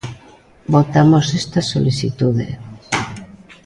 Votamos esta solicitude.